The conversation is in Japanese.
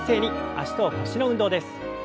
脚と腰の運動です。